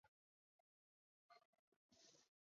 特诺奇蒂特兰失守的原因有多种。